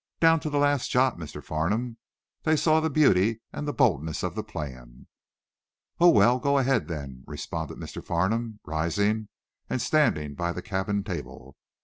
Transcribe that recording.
"Down to the last jot, Mr. Farnum. They saw the beauty and the boldness of the plan." Oh, well, go ahead, then, responded Mr. Farnum, rising and standing by the cabin table.